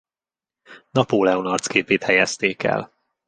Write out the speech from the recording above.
Napóleon arcképét helyezték el.